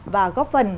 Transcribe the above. và góp phần